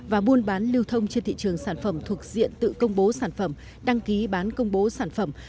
và buôn bán lưu thông trên thị trường sản phẩm thuộc diện tự công bố sản phẩm đăng ký bán công bố sản phẩm